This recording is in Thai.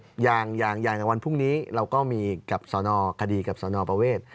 อย่างอย่างวันพรุ่งนี้เราก็มีกับสนคดีกับสนประเวท